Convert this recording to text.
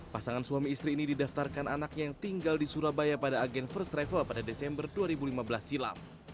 pasangan suami istri ini didaftarkan anaknya yang tinggal di surabaya pada agen first travel pada desember dua ribu lima belas silam